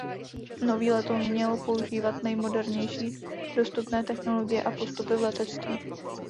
Nový letoun měl používat nejmodernější dostupné technologie a postupy v letectví.